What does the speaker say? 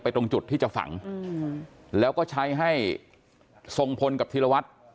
ตรงจุดที่จะฝังแล้วก็ใช้ให้ทรงพลกับธีรวัตร